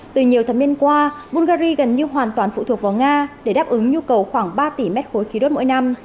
từ nhiều thẩm miên qua bungary gần như hoàn toàn phụ thuộc vào nga để đáp ứng nhu cầu khoảng ba tỷ m ba khí đốt mỗi năm